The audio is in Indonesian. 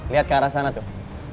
lihat ke arah sana tuh